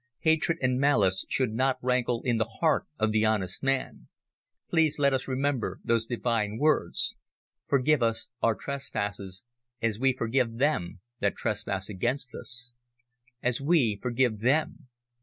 Hatred and malice should not rankle in the heart of the honest man. Rather let us remember those Divine words: `Forgive us our trespasses as we forgive them that trespass against us.' As we forgive them!